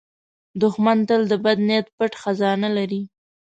دښمن تل د بد نیت پټ خزانه لري